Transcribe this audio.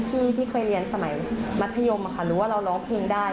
ของรุ่นพี่ที่เคยเรียนสมัยมัธยมหรือว่าเราร้องเพลงได้